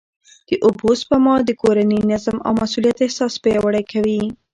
د اوبو سپما د کورني نظم او مسؤلیت احساس پیاوړی کوي.